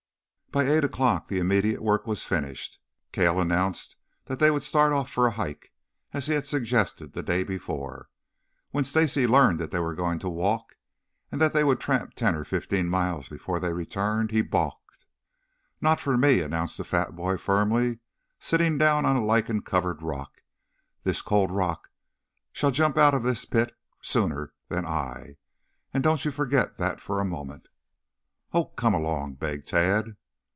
By eight o'clock the immediate work was finished. Cale announced that they would start off for a hike, as he had suggested the day before. When Stacy learned that they were going to walk, and that they would tramp ten or fifteen miles before they returned, he balked. "Not for me!" announced the fat boy firmly, sitting down on a lichen covered rock. "This cold rock shall jump out of his pit sooner than I, and don't you forget that for a moment!" "Oh, come along," begged Tad.